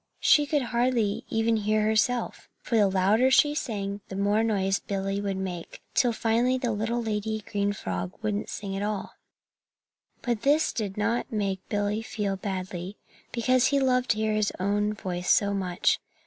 She could hardly ever hear herself, for the louder she sang the more noise Billy would make, till finally the little green lady frog wouldn't sing at all. But this did not make Billy feel badly, because he loved to hear his own voice so much.